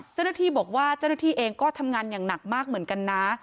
เจ้าหน้าที่บอกว่าเจ้าหน้าที่เองก็ทำงานอย่างหนักมากเหมือนกันนะ